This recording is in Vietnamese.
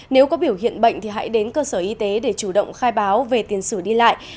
nếu có biểu hiện bệnh thì hãy đến cơ sở y tế để chủ động khai báo về tiền sử đi lại